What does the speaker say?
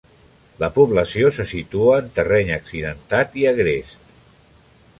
La població se situa en terreny accidentat i agrest.